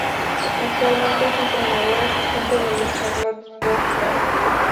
Actualmente es entrenador asistente de los Charlotte Bobcats.